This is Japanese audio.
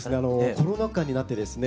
コロナ禍になってですね